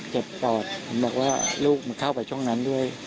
เจ็บปอดบอกว่าลูกมาเข้าไปช่วงนั้นด้วย